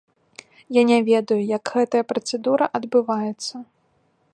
Я не ведаю, як гэтая працэдура адбываецца.